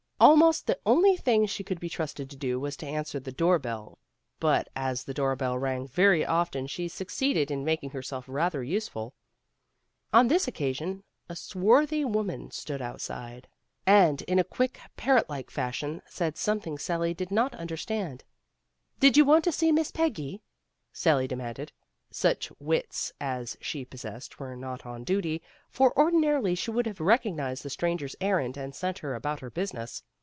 Almost the only thing she could be trusted to do was to answer the door bell, but as the bell rang very often, she suc ceeded in making herself rather useful. On this occasion a swarthy woman stood outside, 298 PEGGY RAYMOND'S WAY and in a quick, parrot like fashion said some thing Sally did not understand. "You want to see Miss Peggy?" Sally de manded. Such wits as she possessed were not on duty, for ordinarily she would have recognized the stranger's errand, and sent her about her business.